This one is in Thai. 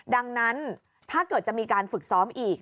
ดังนั้นถ้าเกิดจะมีการฝึกซ้อมอีก